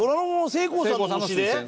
せいこうさんの推薦。